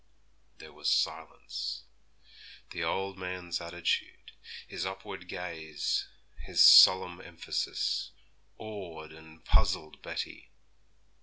There was silence; the old man's attitude, his upward gaze, his solemn emphasis, awed and puzzled Betty.